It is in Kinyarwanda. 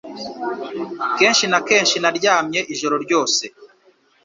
Kenshi na kenshi naryamye ijoro ryose